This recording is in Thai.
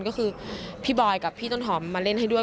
ก็คือพี่บอยกับพี่ต้นหอมมาเล่นให้ด้วย